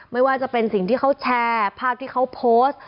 ไม่ว่าจะเป็นสิ่งที่เขาแชร์ภาพที่เขาโพสต์